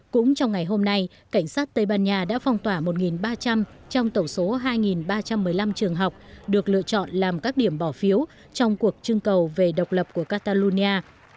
cũng trong ngày hôm nay cảnh sát tây ban nha đã phong tỏa một ba trăm linh trong tổng số hai ba trăm một mươi năm trường học được lựa chọn làm các điểm bỏ phiếu trong cuộc trưng cầu về độc lập của catalonia